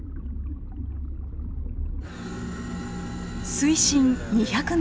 水深２００ｍ。